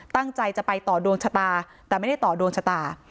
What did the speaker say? ตั้งใจจะไปต่อดวงชะตาแต่ไม่ได้ต่อดวงชะตา